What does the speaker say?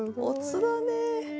おつだね。